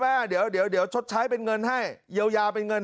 แม่เดี๋ยวเดี๋ยวเดี๋ยวชดใช้เป็นเงินให้เยียวยาเป็นเงิน